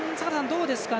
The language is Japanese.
どうですか。